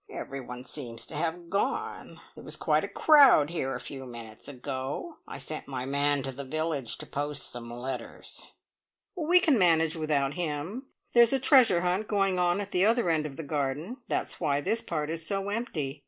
"Everyone seems to have gone. There was quite a crowd here a few minutes ago. I sent my man to the village to post some letters." "We can manage without him. There is a Treasure Hunt going on at the other end of the garden. That is why this part is so empty.